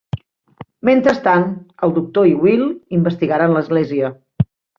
Mentrestant, el Doctor i Will investigaran l'església.